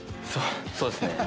そうですね。